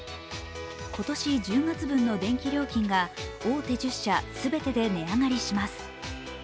今年１０月分の電気料金が大手１０社全てで値上がりします。